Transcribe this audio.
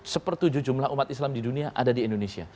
sepertujuh jumlah umat islam di dunia ada di indonesia